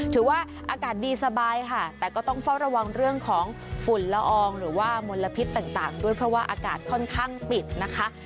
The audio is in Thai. ถือว่าอากาศดีสบายค่ะแต่ก็ต้องเฝ้าระวังเรื่องของฝุ่นละอองหรือว่ามลพิษต่างด้วยเพราะว่าอากาศค่อนข้างปิดนะคะ